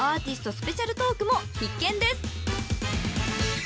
スペシャルトークも必見です］